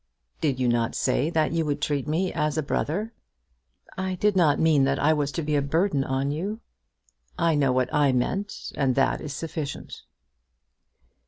"Did you not say that you would treat me as a brother?" "I did not mean that I was to be a burden on you." "I know what I meant, and that is sufficient."